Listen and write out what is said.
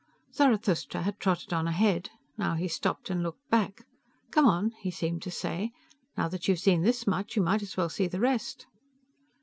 Zarathustra had trotted on ahead. Now he stopped and looked back. Come on, he seemed to say. _Now that you've seen this much, you might as well see the rest.